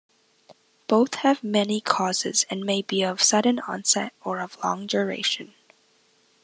Both have many causes and may be of sudden onset or of long duration.